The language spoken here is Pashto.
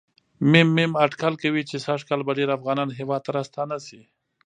م.م اټکل کوي چې سږ کال به ډېر افغانان هېواد ته راستانه شي.